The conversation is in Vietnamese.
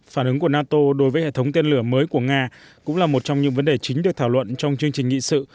phản ứng của nato đối với hệ thống tên lửa mới của nga cũng là một trong những vấn đề chính được thảo luận trong chương trình nghị sự